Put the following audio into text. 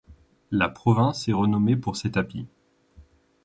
La province est renommé pour ses tapis.